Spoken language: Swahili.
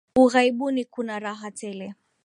Ughaibuni kuna raha tele